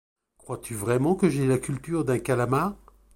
Crois-tu vraiment que j’aie la culture d’un calamar ?